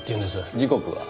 時刻は？